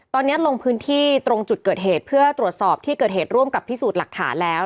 ตอนนี้ลงพื้นที่ตรงจุดเกิดเหตุเพื่อตรวจสอบที่เกิดเหตุร่วมกับพิสูจน์หลักฐานแล้ว